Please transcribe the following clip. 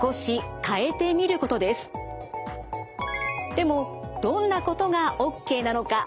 でもどんなことがＯＫなのか？